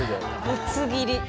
ぶつ切り。